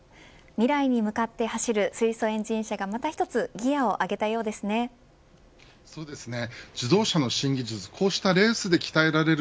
未来に向かって走る水素エンジン車がまた一つギアを上げたようですね。